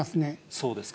そうですか。